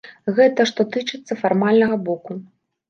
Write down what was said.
Гэта што тычыцца фармальнага боку.